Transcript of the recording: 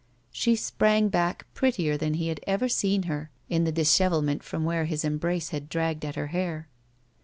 She sprang back prettier than he had ever seen her in the dishevelment from where his embrace had dragged at her hair.